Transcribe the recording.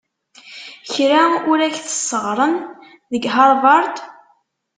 Kra ur ak-t-sseɣren deg Havard?